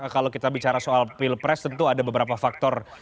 kalau kita bicara soal pilpres tentu ada beberapa faktor